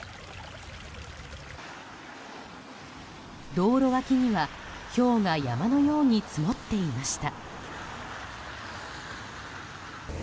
道路脇には、ひょうが山のように積もっていました。